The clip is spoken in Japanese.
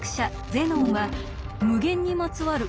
ゼノンは無限にまつわる